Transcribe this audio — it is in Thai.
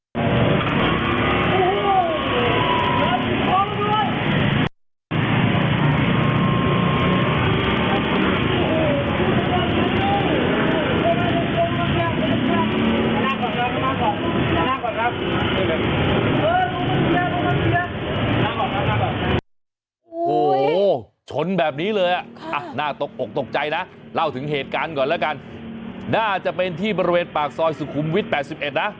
โอ้โหชนแบบนี้เลยอ่ะน่าตกอกตกใจนะเล่าถึงเหตุการณ์ก่อนแล้วกันน่าจะเป็นที่บริเวณปากซอยสุขุมวิทย์๘๑นะ